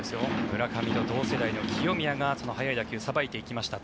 村上と同世代の清宮が速い打球をさばいていきました。